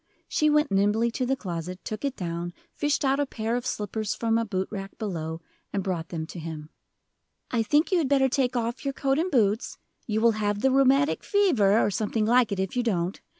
She went nimbly to the closet, took it down, fished out a pair of slippers from a boot rack below, and brought them to him. "I think you had better take off your coat and boots you will have the rheumatic fever, or something like it, if you don't.